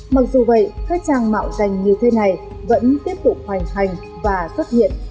mặc dù vậy các trang mạo danh như thế này vẫn tiếp tục hoành hành và xuất hiện